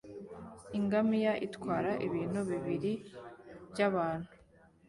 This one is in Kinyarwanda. ingamiya itwara ibintu bibiri byabantu